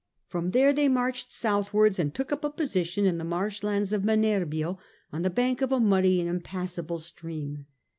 From there they marched southwards and took up a position in the marshlands of Manerbio, on the bank of a muddy and impassable stream.